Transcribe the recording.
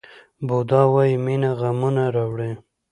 بودا وایي مینه غمونه راوړي.